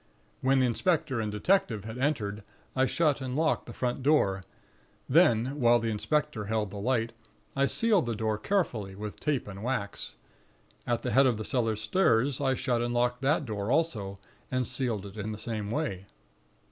"When the inspector and the detective had entered, I shut and locked the front door; then, while the inspector held the light, I sealed the door carefully, with tape and wax. At the head of the cellar stairs, I shut and locked that door also, and sealed it in the same way.